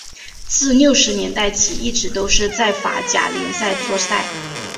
自六十年代起一直都是在法甲联赛作赛。